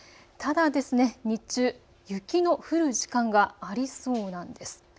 ただ日中、雪の降る時間がありそうなんです。